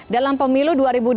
dalam pemilu dua ribu dua puluh